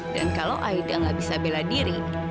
dan kalau aida gak bisa bela diri